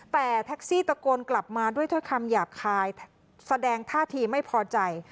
แต่แท็กซี่ตะโกนกลับมาด้วยคำหยาบคายแสดงท่าทีไม่พอใจ